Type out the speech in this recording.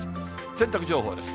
洗濯情報です。